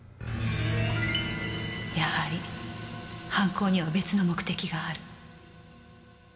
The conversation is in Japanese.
やはり犯行には別の目的がある